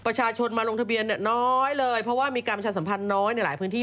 ประชาชนมาลงทะเบียนเนี่ยน้อยเลยเพราะว่ามีการประชาสัมพันธ์น้อยในหลายพื้นที่